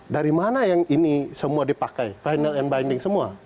dari mana yang ini semua dipakai final and binding semua